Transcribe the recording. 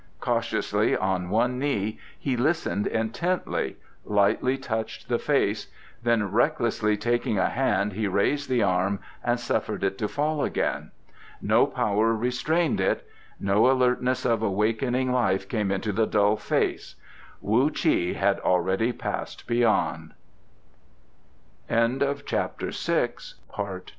Cautiously, on one knee, he listened intently, lightly touched the face; then recklessly taking a hand he raised the arm and suffered it to fall again. No power restrained it; no alertness of awakening life came into the dull face. Wu Chi had already Passed Beyond. CHAPTER VII Not Concerne